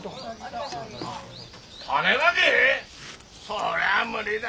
そりゃあ無理だ。